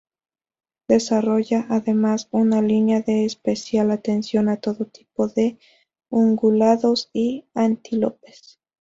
Desarrolla, además, una línea de especial atención a todo tipo de ungulados y antílopes.